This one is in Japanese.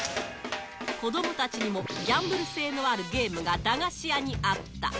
子どもたちにもギャンブル性のあるゲームが駄菓子屋にあった。